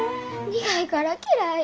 苦いから嫌い。